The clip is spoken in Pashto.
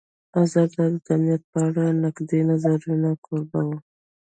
ازادي راډیو د امنیت په اړه د نقدي نظرونو کوربه وه.